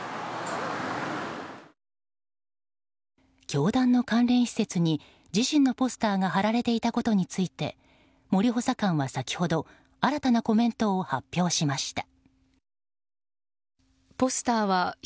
教団の関連施設に自身のポスターが貼られていたことについて森補佐官は先ほど新たなコメントを発表しました。